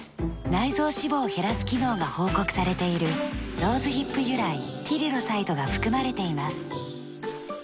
内臓脂肪を減らす機能が報告されているローズヒップ由来ティリロサイドが含まれています。